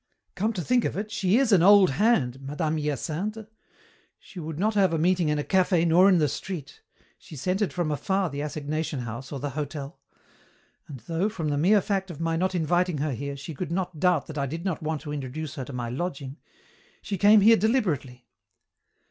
"Come to think of it, she is an old hand, Mme. Hyacinthe! She would not have a meeting in a café nor in the street. She scented from afar the assignation house or the hotel. And though, from the mere fact of my not inviting her here, she could not doubt that I did not want to introduce her to my lodging, she came here deliberately.